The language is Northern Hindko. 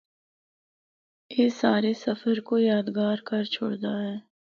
اے سارے سفر کو یادگار کر چُھڑدا ہے۔